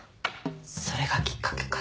それがきっかけか。